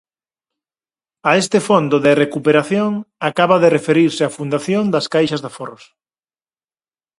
A este fondo de recuperación acaba de referirse a Fundación das Caixas de Aforros.